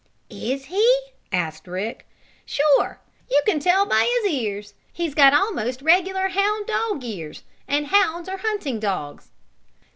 "Is he?" asked Rick. "Sure! You can tell by his ears. He's got almost regular hound dog ears, and hounds are hunting dogs."